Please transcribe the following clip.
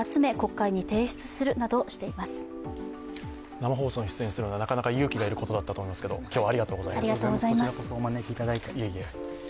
生放送に出演するのはなかなか勇気がいることだったと思いますが今日はありがとうございます。